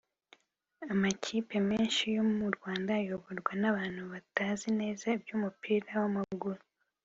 Amakipe menshi yo mu Rwanda ayoborwa n’abantu batazi neza iby’umupira w’amaguru